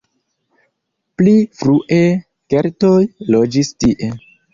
Pli frue keltoj loĝis tie.